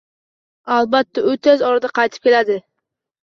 Albatta, u tez orada qaytib keladi